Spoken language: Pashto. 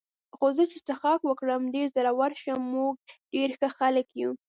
خو زه چې څښاک وکړم ډېر زړور شم، موږ ډېر ښه خلک یو.